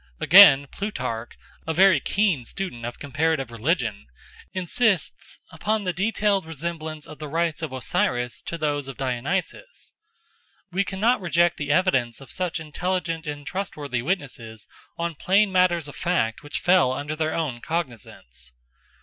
Again, Plutarch, a very keen student of comparative religion, insists upon the detailed resemblance of the rites of Osiris to those of Dionysus. We cannot reject the evidence of such intelligent and trustworthy witnesses on plain matters of fact which fell under their own cognizance.